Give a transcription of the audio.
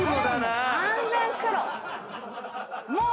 もう。